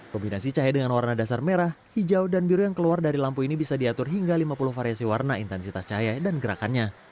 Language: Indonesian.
kombinasi cahaya dengan warna dasar merah hijau dan biru yang keluar dari lampu ini bisa diatur hingga lima puluh variasi warna intensitas cahaya dan gerakannya